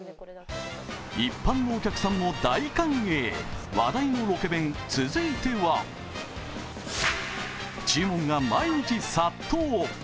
一般のお客さんも大歓迎、話題のロケ弁、続いては注文が毎日殺到！